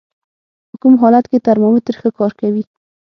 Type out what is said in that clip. په کوم حالت کې ترمامتر ښه کار کوي؟